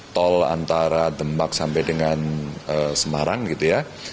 tol antara demak sampai dengan semarang gitu ya